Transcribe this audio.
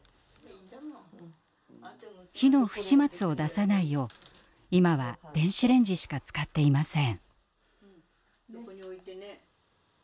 火の不始末を出さないよう今は電子レンジしか使っていません。